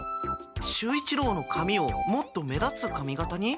守一郎の髪をもっと目立つ髪形に？